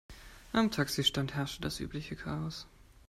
Am Taxistand herrschte das übliche Chaos.